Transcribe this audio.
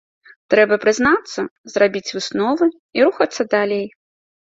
Трэба прызнацца, зрабіць высновы і рухацца далей.